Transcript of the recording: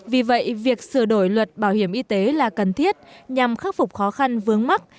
vì vậy việc sửa đổi luật bảo hiểm y tế là cần thiết nhằm khắc phục khó khăn vướng mắt